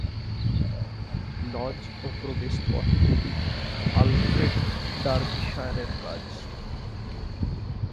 Lodge ও প্রবেশপথগুলি Alfred ডার্বিশায়ারের কাজ।